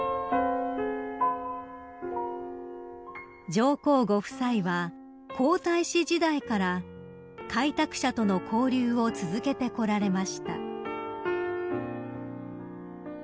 ［上皇ご夫妻は皇太子時代から開拓者との交流を続けてこられました］